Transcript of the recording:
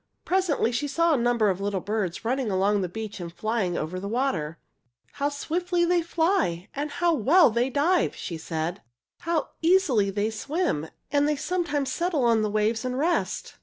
Presently she saw a number of little birds running along the beach and flying over the water. "How swiftly they fly, and how well they dive," she said. "How easily they swim, and they sometimes settle on the waves and rest.